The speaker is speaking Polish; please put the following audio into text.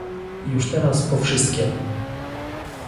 "już teraz po wszystkiem!"